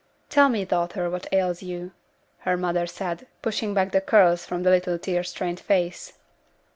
"Tell me, daughter, what ails you," her mother said, pushing back the curls from the little tear stained face.